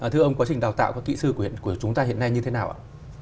thưa ông quá trình đào tạo các kỹ sư của chúng ta hiện nay như thế nào ạ